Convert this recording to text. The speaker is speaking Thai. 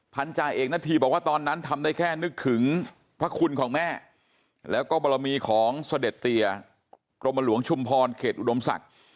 พันธาเอกณฑีบอกว่าตอนนั้นทำได้แค่นึกถึงพระคุณของแม่แล้วก็บรมีของเสด็จเตียกรมหลวงชุมพรเขตอุดมศักดิ์